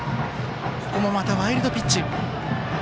ここもまたワイルドピッチ。